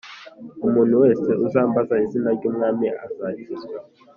umuntu wese uzambaza izina ry’Umwami azakizwa